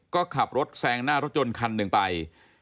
ก็ขับรถแซงหน้ารถยนต์คันหนึ่งไป